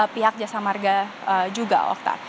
pihak jasa marga juga okta